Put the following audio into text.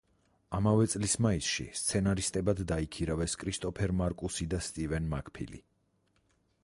ამავე წლის მაისში სცენარისტებად დაიქირავეს კრისტოფერ მარკუსი და სტივენ მაკფილი.